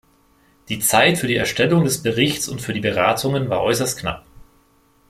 Die Zeit für die Erstellung des Berichts und für die Beratungen war äußerst knapp.